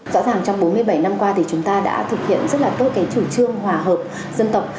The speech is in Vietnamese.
rõ ràng trong bốn mươi bảy năm qua thì chúng ta đã thực hiện rất là tốt cái chủ trương hòa hợp dân tộc